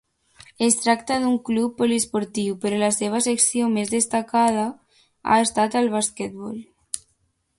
Es tracta d'un club poliesportiu, però la seva secció més destacada ha estat el basquetbol.